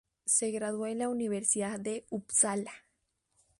Se graduó en la Universidad de Uppsala.